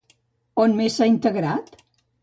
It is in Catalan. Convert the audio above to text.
On més s'ha integrat?